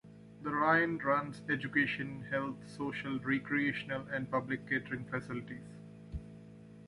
The rayon runs education, health, social, recreational and public catering facilities.